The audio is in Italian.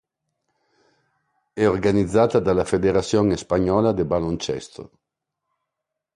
È organizzata dalla Federación Española de Baloncesto.